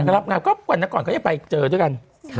ก็รับงานก็วันก่อนเขาจะไปเจอด้วยกัน